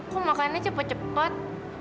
kok makannya cepet cepet